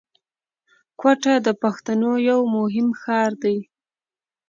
کوټه د پښتنو یو مهم ښار دی